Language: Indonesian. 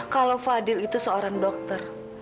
kalau fadil itu seorang dokter